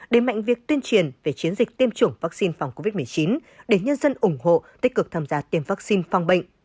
đề mạnh việc tuyên truyền về chiến dịch tiêm chủng vaccine phòng covid một mươi chín để nhân dân ủng hộ tích cực tham gia tiêm vaccine phòng bệnh